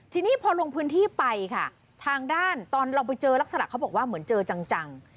ทีนี้พอลงพื้นที่ไปค่ะทางด้านตอนเราไปเจอลักษณะเขาบอกว่าเหมือนเจอจัง